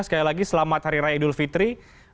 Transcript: sekali lagi selamat hari raya idul fitri